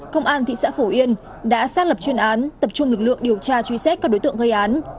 công an thị xã phổ yên đã xác lập chuyên án tập trung lực lượng điều tra truy xét các đối tượng gây án